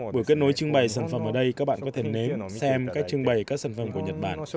buổi kết nối trưng bày sản phẩm ở đây các bạn có thể nếm xem cách trưng bày các sản phẩm của nhật bản